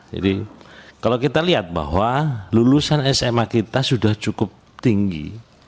jadi kalau kita lihat bahwa lulusan sma kita sudah cukup tinggi